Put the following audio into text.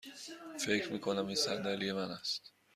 فکر می کنم این صندلی من است.